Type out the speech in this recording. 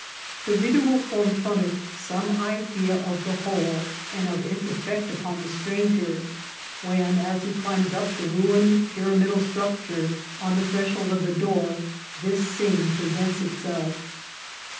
The reader will form from it some idea of the whole, and of its effect upon the stranger, when, as he climbs up the ruined pyramidal structure, on the threshold of the door this scene presents itself.